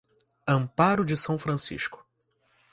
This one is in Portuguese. Amparo de São Francisco